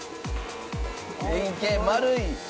円形丸い。